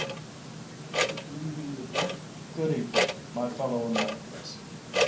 ] Good evening, my fellow Americans.